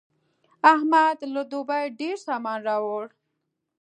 احمد له دوبۍ ډېر سامان راوړ.